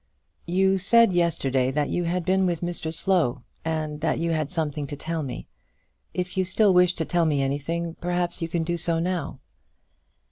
"You said yesterday that you had been with Mr Slow, and that you had something to tell me. If you still wish to tell me anything, perhaps you can do so now."